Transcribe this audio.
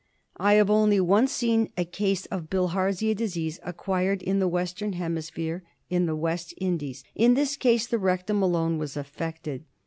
I have only once seen 56 SCHISTOSOMUM CATTOI. a case of Bilharzia disease acquired in the Western Hemisphere— in the West Indies. In this case the rectum alone was affected.